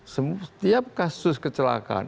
setiap kasus kecelakaan